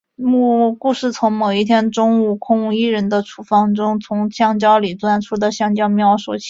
故事从某一天中午空无一人的厨房中从香蕉里钻出的香蕉喵说起。